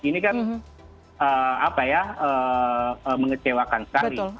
ini kan apa ya mengecewakan sekali